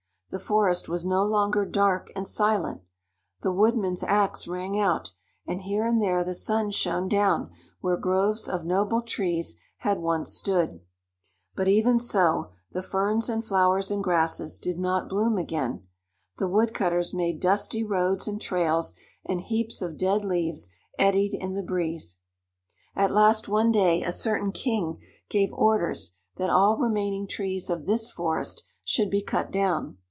The forest was no longer dark and silent. The woodman's ax rang out, and here and there the sun shone down where groves of noble trees had once stood. But even so, the ferns and flowers and grasses did not bloom again. The woodcutters made dusty roads and trails, and heaps of dead leaves eddied in the breeze. At last one day a certain king gave orders that all remaining trees of this forest should be cut down.